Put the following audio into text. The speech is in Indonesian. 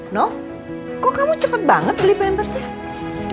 noh kok kamu cepet banget beli pembahasannya